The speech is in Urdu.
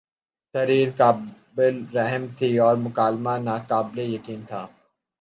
تحریر قابل رحم تھی اور مکالمہ ناقابل یقین تھا